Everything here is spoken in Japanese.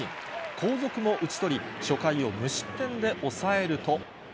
後続も打ち取り、初回を無失点で抑えると。